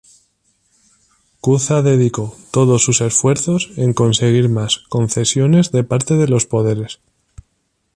Cuza dedicó todo sus esfuerzos en conseguir más concesiones de parte de los poderes.